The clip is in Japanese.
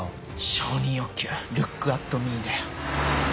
承認欲求ルックアットミーだよ。